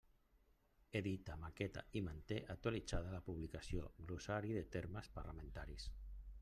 Edita, maqueta i manté actualitzada la publicació Glossari de termes parlamentaris.